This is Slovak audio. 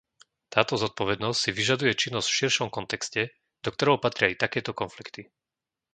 Táto zodpovednosť si vyžaduje činnosť v širšom kontexte, do ktorého patria i takéto konflikty.